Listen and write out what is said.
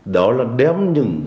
đó là đếm những